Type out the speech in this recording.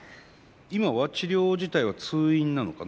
今は治療自体は通院なのかな？